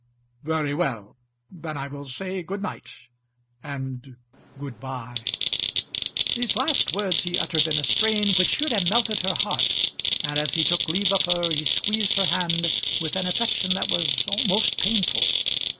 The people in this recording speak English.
"Very well; then I will say good night, and good bye." These last words he uttered in a strain which should have melted her heart, and as he took leave of her he squeezed her hand with an affection that was almost painful.